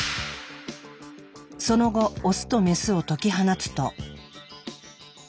その後オスとメスを解き放つと。